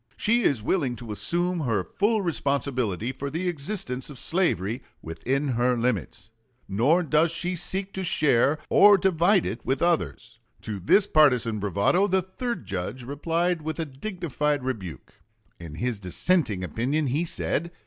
She is willing to assume her full responsibility for the existence slavery within her limits, nor does she seek to share or divide it with others. To this partisan bravado the third judge replied with a dignified rebuke; in his dissenting opinion he said: Gamble, J., 15 Mo. Reports, pp. 589 92.